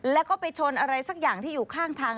แล้วก็ไปชนอะไรสักอย่างที่อยู่ข้างทาง